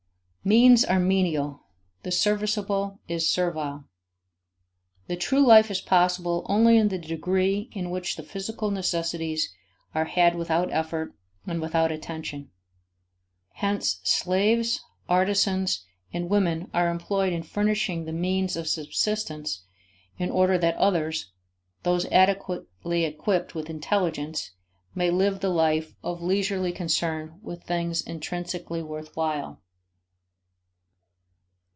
Means are menial, the serviceable is servile. The true life is possible only in the degree in which the physical necessities are had without effort and without attention. Hence slaves, artisans, and women are employed in furnishing the means of subsistence in order that others, those adequately equipped with intelligence, may live the life of leisurely concern with things intrinsically worth while.